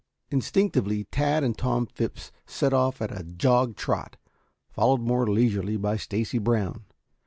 Instinctively Tad and Tom Phipps set off at a jog trot, followed more leisurely by Stacy Brown.